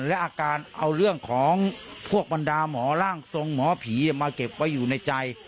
และอาการเอาเรื่องของพวกบรรดาหมอร่างทรงหมอผีมาเก็บไว้อยู่ในใจ